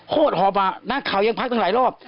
โหดหอบอ่ะนักข่าวยังพักตั้งหลายรอบ